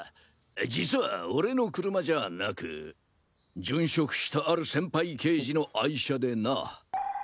実は俺の車じゃなく殉職したある先輩刑事の愛車でなァ。